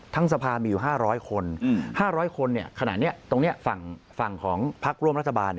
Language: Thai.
สภามีอยู่๕๐๐คน๕๐๐คนขณะนี้ตรงนี้ฝั่งของพักร่วมรัฐบาล